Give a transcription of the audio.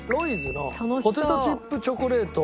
’のポテトチップチョコレート。